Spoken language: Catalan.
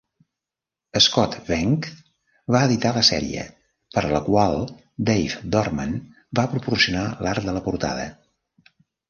Scott Behnke va editar la sèrie, per a la qual Dave Dorman va proporcionar l'art de la portada.